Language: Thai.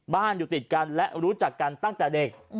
อยู่ติดกันและรู้จักกันตั้งแต่เด็ก